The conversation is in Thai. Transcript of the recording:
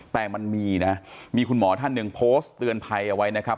แต่มันมีนะมีคุณหมอท่านหนึ่งโพสต์เตือนภัยเอาไว้นะครับ